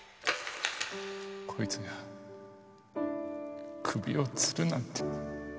こいつが首を吊るなんて。